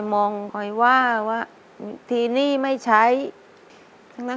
ขอเพียงคุณสามารถที่จะเอ่ยเอื้อนนะครับ